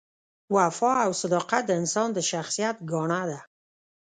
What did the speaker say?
وفا او صداقت د انسان د شخصیت ګاڼه ده.